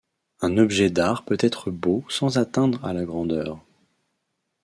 Un objet d'art peut être beau sans atteindre à la grandeur.